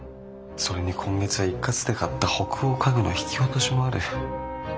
それに今月は一括で買った北欧家具の引き落としもある。